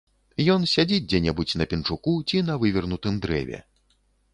Ён сядзіць дзе-небудзь на пенчуку ці на вывернутым дрэве.